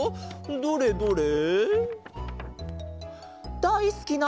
どれどれ？